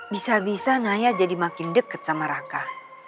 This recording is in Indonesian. bisa bisa naya jadi makin dekat sama raka